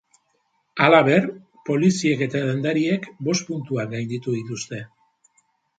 Halaber, poliziek eta dendariek bost puntuak gainditu dituzte.